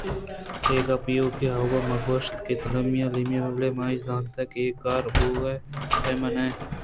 اے گپ ایوک ءَ آگوں ماگوٛشت تاں کہ ایمیلیا سہی مہ بیت بلئے آئیءَ زانت کہ اے کار بوئگءِ پیم ءَ نہ اِنت